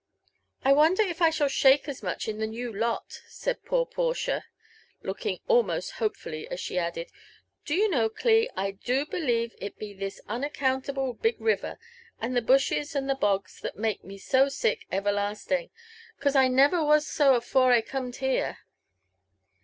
" I wonder if I shall shake as much in the new lot?*' said poor Portia, looking almost hopefully as she added, ''Do you kno.w, Cli, I do be r | lieve it be this unaccountable big river, and the bushes and the bogs, that make me so sick everlasting, 'cause I never was so afore I corned here."